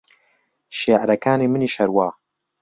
شێعرەکانی منیش هەروا